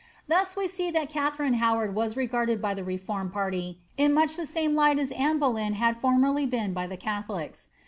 Thus we see that Katharine Howard was regarded by the reformed party in much the same light as Anne Bdeyo had formerly been by the catholics.